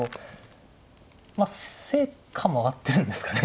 まあ成果も上がってるんですかね